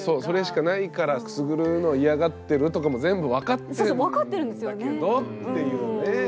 それしかないからくすぐるの嫌がってるとかも全部分かってるんだけどっていうね。